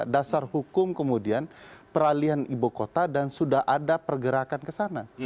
dasar hukum kemudian peralihan ibu kota dan sudah ada pergerakan ke sana